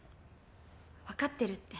分かってるって。